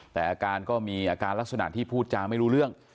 แต่อาการก็มีอาการลักษณะที่พูดจาไม่รู้เรื่อง